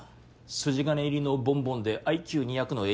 筋金入りのボンボンでＩＱ２００のエリート。